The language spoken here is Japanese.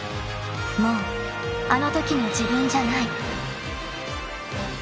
［もうあのときの自分じゃない］